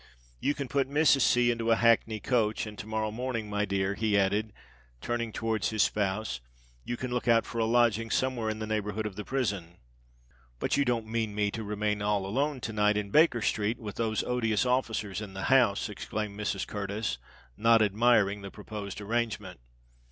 "You can put Mrs. C. into a hackney coach; and to morrow morning, my dear," he added, turning towards his spouse, "you can look out for a lodging somewhere in the neighbourhood of the prison." "But you don't mean me to remain all alone to night in Baker Street, with those odious officers in the house?" exclaimed Mrs. Curtis, not admiring the proposed arrangement.